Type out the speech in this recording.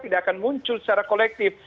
tidak akan muncul secara kolektif